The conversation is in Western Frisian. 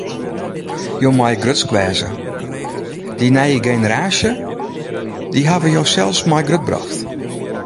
Jo meie grutsk wêze: dy nije generaasje, dy hawwe josels mei grutbrocht.